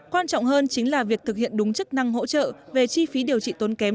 quan trọng hơn chính là việc thực hiện đúng chức năng hỗ trợ về chi phí điều trị tốn kém